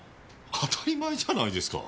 当たり前じゃないですか。